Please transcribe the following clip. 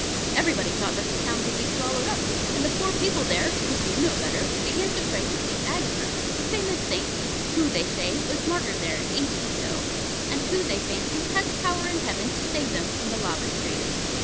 Everybody thought that the town would be swallowed up; and the poor people there (who knew no better) began to pray to St. Agatha a famous saint, who, they say, was martyred there ages ago and who, they fancy, has power in heaven to save them from the lava stream.